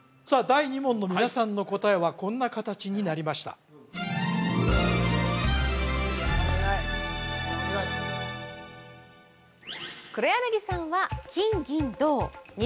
第２問の皆さんの答えはこんな形になりましたあー